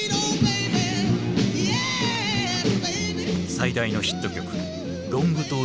最大のヒット曲